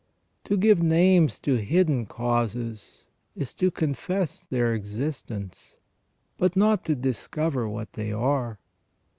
To give names to hidden causes is to confess their existence, but not to discover what they are.